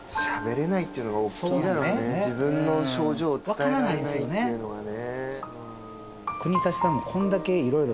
自分の症状を伝えられないっていうのはね。